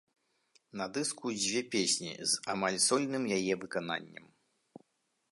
На дыску дзве песні з амаль сольным яе выкананнем.